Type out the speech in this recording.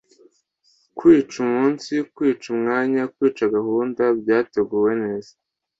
kwica umunsi, kwica umwanya, kwica gahunda byateguwe neza